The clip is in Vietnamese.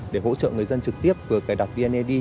để hỗ trợ người dân trực tiếp vừa cài đặt vned